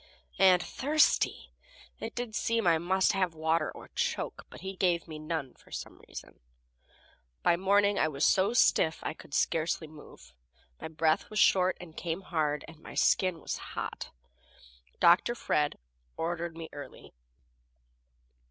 And thirsty it did seem I must have water or choke, but he gave me none for some reason. By morning I was so stiff I could scarcely move, my breath was short and came hard, and my skin was hot. Dr. Fred ordered me early.